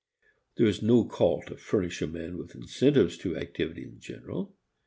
There is no call to furnish a man with incentives to activity in general.